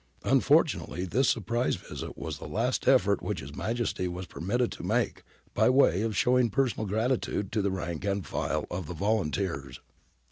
Unfortunately this surprise visit was the last effort which His Majesty was per mitted to make by way of showing personal gratitude to the rank and file of the volunteers.